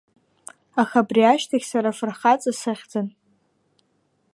Аха абри ашьҭахь сара афырхаҵа сыхьӡын…